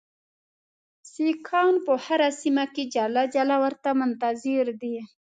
سیکهان په هره سیمه کې جلا جلا ورته منتظر دي.